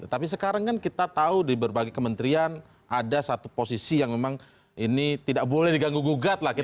tapi sekarang kan kita tahu di berbagai kementerian ada satu posisi yang memang ini tidak boleh diganggu gugat lah